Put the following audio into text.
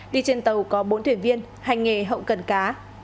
đi trên tàu có bốn thuyền viên hành nghề hậu cần cá